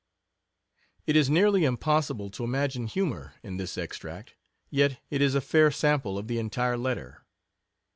It is nearly impossible to imagine humor in this extract, yet it is a fair sample of the entire letter.